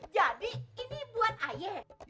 jadi ini buat ayah